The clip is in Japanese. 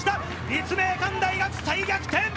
立命館大学、再逆転！